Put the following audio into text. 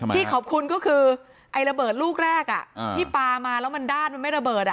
ที่ขอบคุณก็คือไอ้ระเบิดลูกแรกที่ปลามาแล้วมันด้านมันไม่ระเบิด